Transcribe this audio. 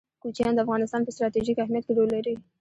کوچیان د افغانستان په ستراتیژیک اهمیت کې رول لري.